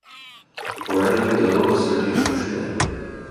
خوړل د روغ سړي خوښي ده